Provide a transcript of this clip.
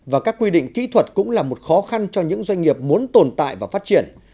và các quy định kỹ thuật cũng là một khó khăn cho những doanh nghiệp muốn tồn tại và phát triển